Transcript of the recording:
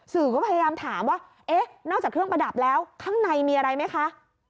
สื่อก็พยายามถามว่าเอ๊ะนอกจากเครื่องประดับแล้วข้างในมีอะไรไหมคะ